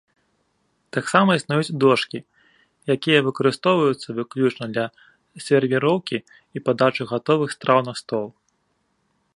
Таксама існуюць дошкі, якія выкарыстоўваюцца выключна для сервіроўкі і падачы гатовых страў на стол.